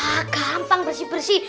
ah gampang bersih bersih